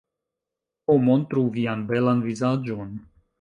Ho... montru vian belan vizaĝon